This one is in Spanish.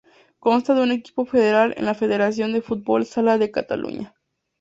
Consta de un equipo federado en la federación de fútbol sala de Cataluña.